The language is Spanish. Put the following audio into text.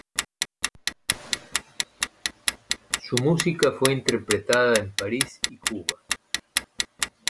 Su música fue interpretada en París y Cuba.